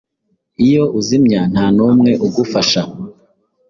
Iyo uzimya nta numwe ugufasha